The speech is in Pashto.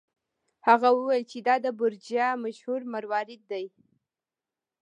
هغه وویل چې دا د بورجیا مشهور مروارید دی.